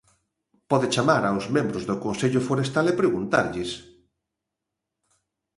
Pode chamar aos membros do Consello Forestal e preguntarlles.